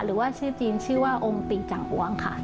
หรือว่าชื่อจีนชื่อว่าองค์ติจังอ้วงค่ะ